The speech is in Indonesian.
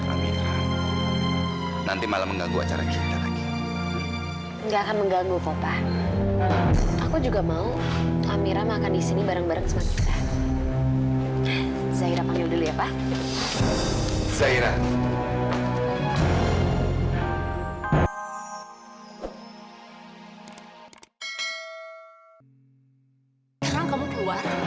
sampai jumpa di video selanjutnya